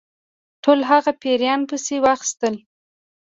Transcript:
ټول هغه پیران پسي واخیستل.